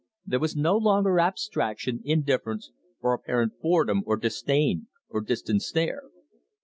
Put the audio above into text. There was no longer abstraction, indifference, or apparent boredom, or disdain, or distant stare.